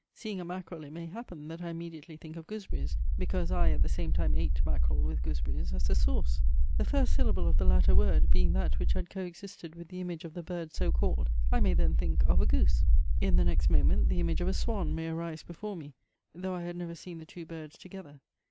Seeing a mackerel, it may happen, that I immediately think of gooseberries, because I at the same time ate mackerel with gooseberries as the sauce. The first syllable of the latter word, being that which had coexisted with the image of the bird so called, I may then think of a goose. In the next moment the image of a swan may arise before me, though I had never seen the two birds together.